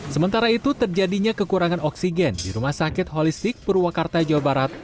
sementara itu terjadinya kekurangan oksigen di rumah sakit holistik purwakarta jawa barat